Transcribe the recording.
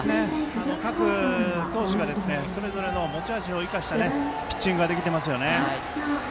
各投手がそれぞれの持ち味を生かしたピッチングができていますよね。